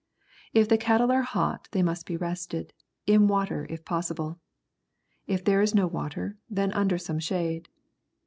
If the cattle are hot they must be rested, in water if possible; if there is no water, then under some shade.